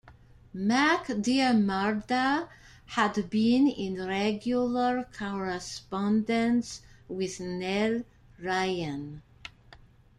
Mac Diarmada had been in regular correspondence with Nell Ryan.